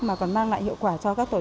mà còn mang lại hiệu quả cho các nhà nước